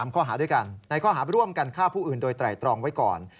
ข้อหาด้วยกันในข้อหาร่วมกันฆ่าผู้อื่นโดยไตรตรองไว้ก่อน